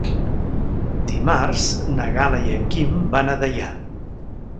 Dimarts na Gal·la i en Guim van a Deià.